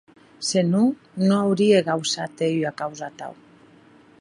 Se non, non aurie gausat hèr ua causa atau.